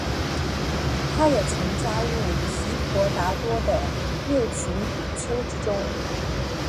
他也曾加入提婆达多的六群比丘之中。